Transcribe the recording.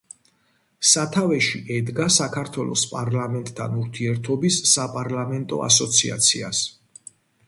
სათავეში ედგა საქართველოს პარლამენტთან ურთიერთობის საპარლამენტო ასოციაციას.